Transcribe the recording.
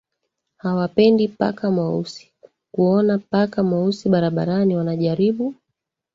hawapendi paka mweusi Kuona paka mweusi barabarani wanajaribu